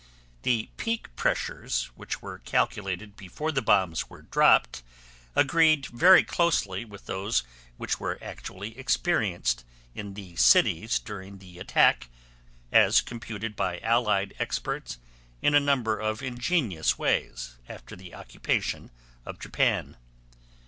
The peak pressures which were calculated before the bombs were dropped agreed very closely with those which were actually experienced in the cities during the attack as computed by Allied experts in a number of ingenious ways after the occupation of Japan.